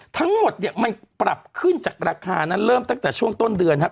ทั้งหมดเนี่ยมันปรับขึ้นจากราคานั้นเริ่มตั้งแต่ช่วงต้นเดือนครับ